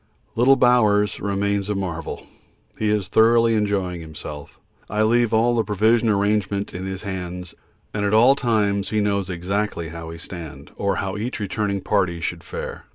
Little Bowers remains a marvel he is thoroughly enjoying himself. I leave all the provision arrangement in his hands, and at all times he knows exactly how we stand, or how each returning party should fare.